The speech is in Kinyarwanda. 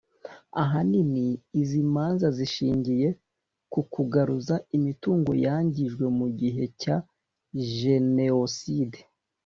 Ahanini izi manzazishingiye ku kugaruza imitungo yangijwe mu gihe cya Jneoside